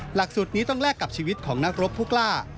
หลักสูตรนี้ต้องแลกกับชีวิตของนักรบผู้กล้า